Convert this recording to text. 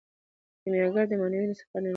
کیمیاګر د معنوي سفر نړیواله نښه ده.